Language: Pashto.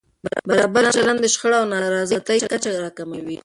برابر چلند د شخړو او نارضایتۍ کچه راکموي.